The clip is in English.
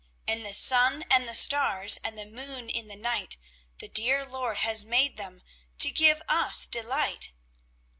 "And the sun and the stars And the moon in the night, The dear Lord has made them To give us delight.